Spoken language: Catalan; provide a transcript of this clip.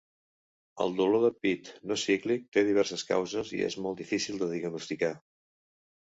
El dolor de pit no cíclic té diverses causes i és molt difícil de diagnosticar.